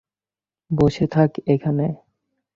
বসে থাক এখানে।